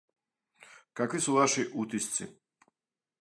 Какви су ваши утисци?